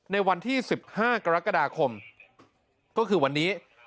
ในวันที่๑๕กรกฎาคมก็คือวันนี้